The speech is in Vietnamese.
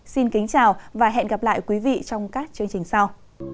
xin kính chào và hẹn gặp lại quý vị trong các chương trình sau